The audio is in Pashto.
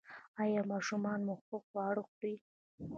ایا ماشومان مو ښه خواړه خوري؟